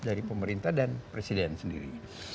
dari pemerintah dan presiden sendiri